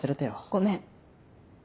ごめん。